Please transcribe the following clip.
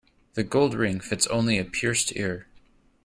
The gold ring fits only a pierced ear.